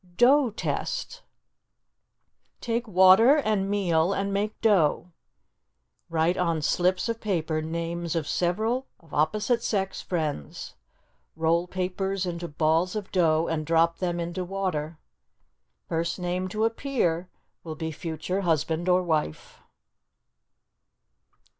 DOUGH TEST Take water and meal and make dough. Write on slips of paper names of several of opposite sex friends; roll papers into balls of dough and drop them into water. First name to appear will be future husband or wife.